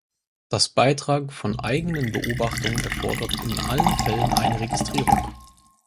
Das Beitragen von eigenen Beobachtungen erfordert in allen Fällen eine Registrierung.